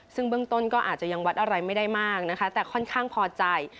ซึ่งเบื้องต้นก็อาจจะยังวัดอะไรไม่ได้มากนะคะแต่ค่อนข้างพอใจ